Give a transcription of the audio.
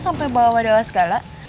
sampai bawa wadawa segala